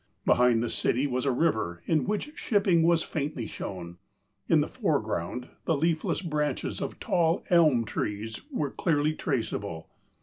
Behind the city was a river in which shipping was faintly shown. In the foreground the leafless branches of tall elm trees were clearly traceable.